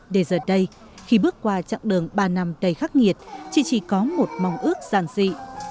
để giờ đây khi bước qua chặng đường ba năm đầy khắc nghiệt chị chỉ có một mong ước giàn dị